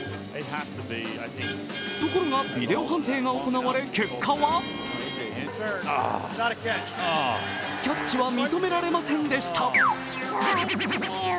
ところが、ビデオ判定が行われ結果はキャッチは認められませんでした。